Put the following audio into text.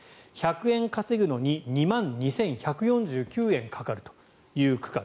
１００円稼ぐのに２万２１４９円かかるという。